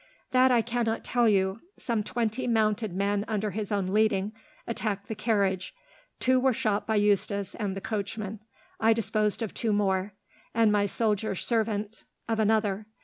"That I cannot tell you. Some twenty mounted men, under his own leading, attacked the carriage. Two were shot by Eustace and the coachman. I disposed of two more, and my soldier servant of another.